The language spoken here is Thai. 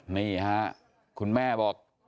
นี่ฮะคุณแม่บอก